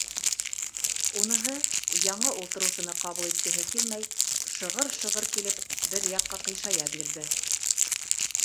Уныһы, яңы ултырыусыны ҡабул иткеһе килмәй, шығыр-шығыр килеп бер яҡҡа ҡыйшая бирҙе.